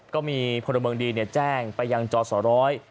ก็มีพลเมืองดีแจ้งไปยังจอสอร้อย